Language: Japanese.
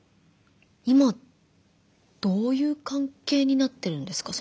今どういう関係になってるんですか？